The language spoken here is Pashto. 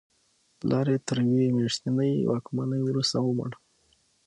پلار یې تر یوې میاشتنۍ واکمنۍ وروسته ومړ.